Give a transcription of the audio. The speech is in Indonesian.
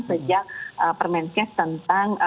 sejak permenkes tentang